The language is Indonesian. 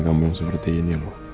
kamu yang seperti ini loh